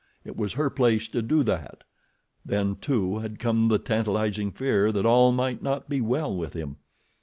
It was her place to do that. Then, too, had come the tantalizing fear that all might not be well with him.